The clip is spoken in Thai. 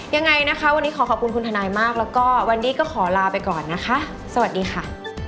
ยังไงนะคะวันนี้ขอขอบคุณคุณทนายมากแล้วก็วันนี้ก็ขอลาไปก่อนนะคะสวัสดีค่ะ